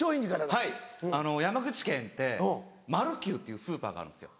はい山口県ってマルキュウっていうスーパーがあるんですよ。